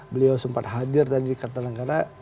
beliau sempat hadir tadi di kartanegara